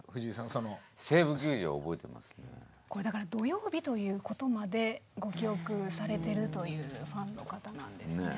これだから土曜日ということまでご記憶されてるというファンの方なんですね。